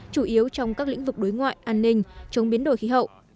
chủ yếu trong các lĩnh vực đối ngoại an ninh chống biến đổi khí hậu